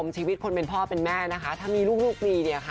ชีวิตคนเป็นพ่อเป็นแม่นะคะถ้ามีลูกดีเนี่ยค่ะ